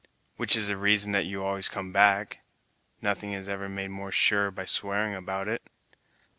"Which is the reason that you always come back? Nothing is ever made more sure by swearing about it."